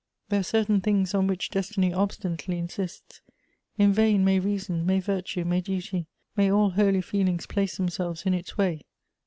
There are certain things on which destiny obstinately insists. In vain may reason, may virtue, may duty, may all holy feelings place themselves in its way.